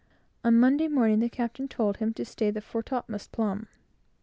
On Monday morning, the captain told him to stay the fore topmast plumb.